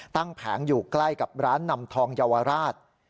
แผงอยู่ใกล้กับร้านนำทองเยาวราช